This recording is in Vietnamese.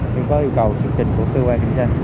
tôi có yêu cầu sự trình của tư quan kinh doanh